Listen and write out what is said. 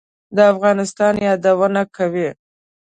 د افغانستان یادونه کوي.